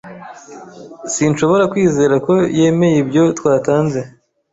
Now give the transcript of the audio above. Sinshobora kwizera ko yemeye ibyo twatanze